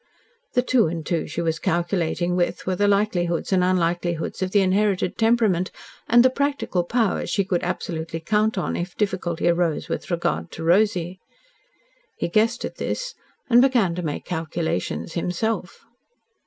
The two and two she was calculating with were the likelihoods and unlikelihoods of the inherited temperament, and the practical powers she could absolutely count on if difficulty arose with regard to Rosy. He guessed at this, and began to make calculations himself.